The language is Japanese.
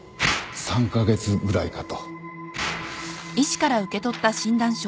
３カ月ぐらいかと